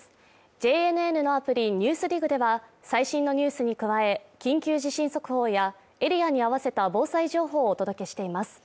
ＪＮＮのアプリ「ＮＥＷＳＤＩＧ」では最新のニュースに加え、緊急地震速報やエリアに合わせた防災情報をお届けしています。